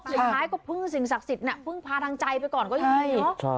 สุดท้ายก็พึ่งสิ่งศักดิ์สิทธิ์พึ่งพาทางใจไปก่อนก็ดี